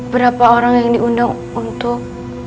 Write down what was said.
berapa orang yang diundang untuk